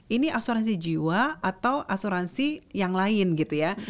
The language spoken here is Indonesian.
ini asuransi jiwa atau asuransi yang lain gitu ya